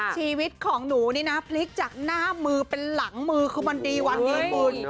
ชีวิตของหนูนี่นะพลิกจากหน้ามือเป็นหลังมือคือมันดีวันดีคุณ